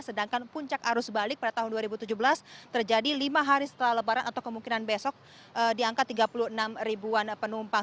sedangkan puncak arus balik pada tahun dua ribu tujuh belas terjadi lima hari setelah lebaran atau kemungkinan besok di angka tiga puluh enam ribuan penumpang